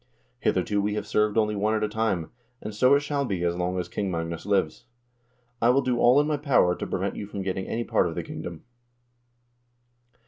Hitherto we have served only one at a time, and so it shall be as long as King Magnus lives. I will do all in my power to prevent you from getting any part of the kingdom."